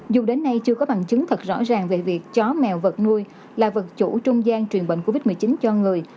dù đến nay chưa có bằng chứng thật rõ ràng về việc chó mèo vật nuôi là vật chủ trung gian truyền bệnh covid một mươi chín cho người